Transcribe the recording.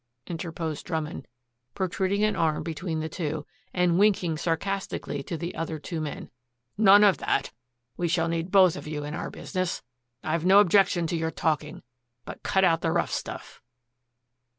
interposed Drummond, protruding an arm between the two, and winking sarcastically to the two other men. "None of that. We shall need both of you in our business. I've no objection to your talking; but cut out the rough stuff."